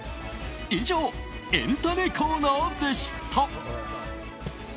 以上、エンたねコーナーでした。